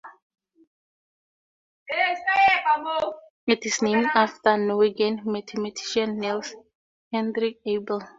It is named after Norwegian mathematician Niels Henrik Abel.